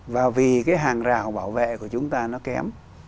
và vì cái hàng rào bảo vệ của chúng ta nó kém